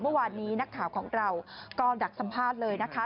เมื่อวานนี้นักข่าวของเราก็ดักสัมภาษณ์เลยนะคะ